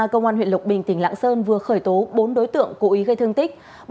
công an huyện lộc bình tỉnh lạng sơn vừa khởi tố bốn đối tượng cố ý gây thương tích